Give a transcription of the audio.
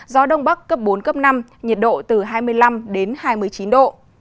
gió đông bắc cấp bốn cấp năm nhiệt độ từ hai mươi năm đến hai mươi chín độ